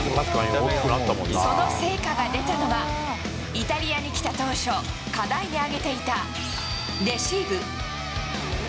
その成果が出たのが、イタリアに来た当初、課題に挙げていたレシーブ。